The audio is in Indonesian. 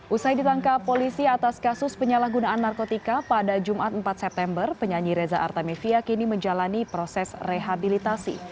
usai ditangkap polisi atas kasus penyalahgunaan narkotika pada jumat empat september penyanyi reza artamevia kini menjalani proses rehabilitasi